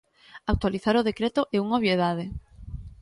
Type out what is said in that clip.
Actualizar o decreto é unha obviedade.